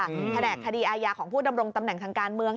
แผนกคดีอาญาของผู้ดำรงตำแหน่งทางการเมือง